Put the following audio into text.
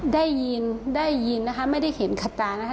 ได้ยินได้ยินนะคะไม่ได้เห็นขัดตานะคะ